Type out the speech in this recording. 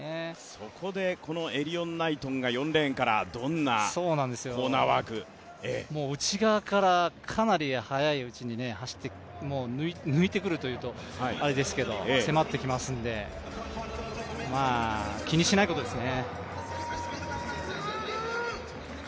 そこでこのエリヨン・ナイトンが４レーンからどんなコーナーワーク内側からかなりはやい位置に走って抜いてくるというとあれですけど迫ってきますので気にしないことですね。